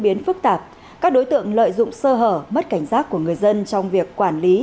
biến phức tạp các đối tượng lợi dụng sơ hở mất cảnh giác của người dân trong việc quản lý